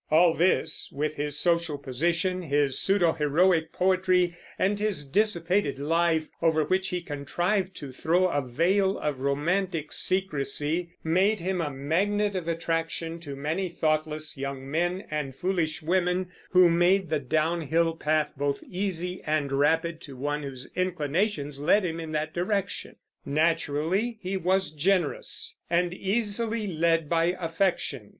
All this, with his social position, his pseudo heroic poetry, and his dissipated life, over which he contrived to throw a veil of romantic secrecy, made him a magnet of attraction to many thoughtless young men and foolish women, who made the downhill path both easy and rapid to one whose inclinations led him in that direction. Naturally he was generous, and easily led by affection.